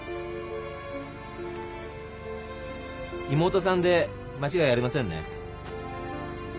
妹さんで間違いありませんね？